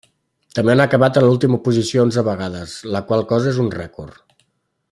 També han acabat en última posició onze vegades, la qual cosa és un rècord.